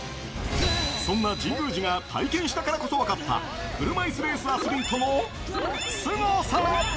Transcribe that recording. そんな神宮寺が体験したからこそ分かった、車いすレースアスリートのすごさ。